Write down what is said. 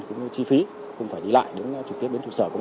cũng như chi phí cũng phải đi lại đến trực tiếp